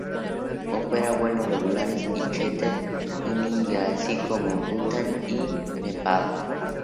Opera vuelos regulares y charter en India así como a Bután y Nepal.